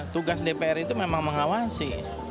tugas dpr itu memang mengawasi